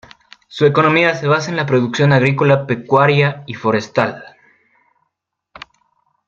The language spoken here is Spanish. Su economía se basa en la producción agrícola, pecuaria y forestal.